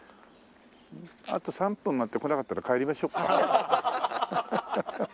あと３分待って来なかったら帰りましょうか。